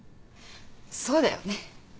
そうだよね。